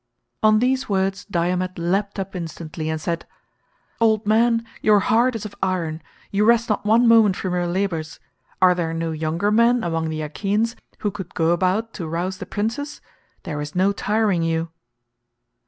On these words Diomed leaped up instantly and said, "Old man, your heart is of iron; you rest not one moment from your labours. Are there no younger men among the Achaeans who could go about to rouse the princes? There is no tiring you."